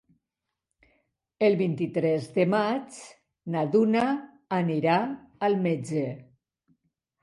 El vint-i-tres de maig na Duna anirà al metge.